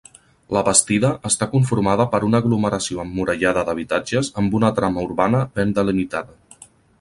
La Bastida està conformada per una aglomeració emmurallada d'habitatges amb una trama urbana ben delimitada.